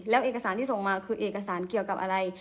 แล้วเอกสารที่ส่งมาคือเอกสารเกี่ยวกับอะไร